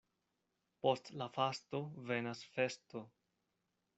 Post la fasto venas festo.